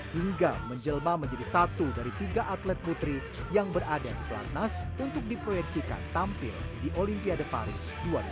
hingga menjelma menjadi satu dari tiga atlet putri yang berada di pelatnas untuk diproyeksikan tampil di olimpiade paris dua ribu dua puluh